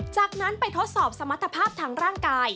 จากนั้นไปทดสอบสมรรถภาพทางร่างกาย